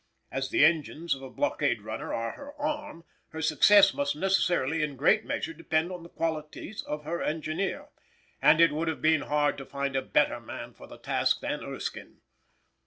As the engines of a blockade runner are her arm, her success must necessarily in great measure depend on the qualities of her engineer, and it would have been hard to find a better man for the task than Erskine.